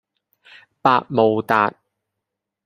百慕達